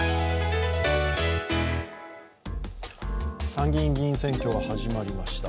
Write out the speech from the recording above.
参議院議員選挙が始まりました。